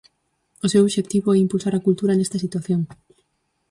O seu obxectivo é impulsar a cultura nesta situación.